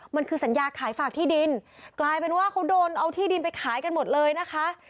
มันคือสัญญาขายฝากที่ดินกลายเป็นว่าเขาโดนเอาที่ดินไปขายกันหมดเลยนะคะ